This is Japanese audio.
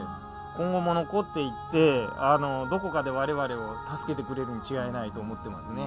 今後も残っていってどこかで我々を助けてくれるに違いないと思ってますね。